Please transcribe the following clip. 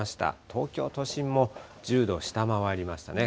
東京都心も１０度を下回りましたね。